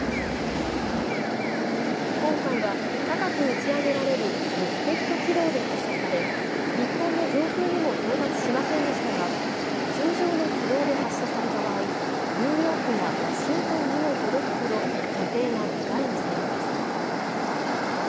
今回は、高く打ち上げられるロフテッド軌道で発射され日本の上空にも到達しませんでしたが通常の軌道で発射された場合ニューヨークやワシントンにも届くほど射程が長いミサイルです。